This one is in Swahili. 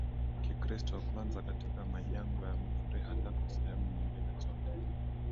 Kikristo kwanza katika majangwa ya Misri halafu sehemu nyingine zote